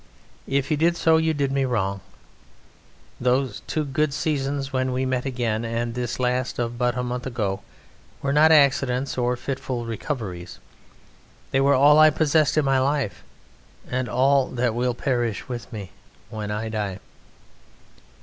If you did so you did me a wrong. Those two good seasons when we met again, and this last of but a month ago, were not accidents or fitful recoveries. They were all I possessed in my life and all that will perish with me when I die.